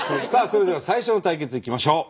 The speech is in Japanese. それでは最初の対決いきましょう！